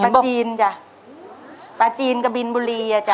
ปลาจีนจ้ะปลาจีนกะบินบุรีอ่ะจ้